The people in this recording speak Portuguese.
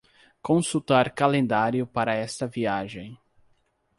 Consultar calendário para esta viagem.